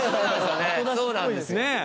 そうなんですよ